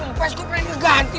kempes gue pengen ngeganti